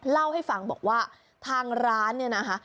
เล่าให้ฟังบอกว่าทางร้านเนี่ยนะคะ